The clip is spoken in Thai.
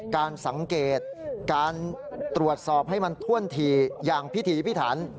การสังเกตการตรวจสอบให้มันถ้วนถี่อย่างพิถีพิถัน